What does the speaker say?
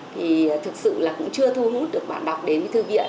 thì thực sự là cũng chưa thu hút được bạn đọc đến thư viện